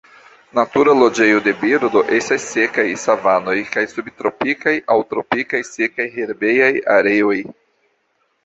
Natura loĝejo de birdo estas sekaj savanoj kaj subtropikaj aŭ tropikaj sekaj herbejaj areoj.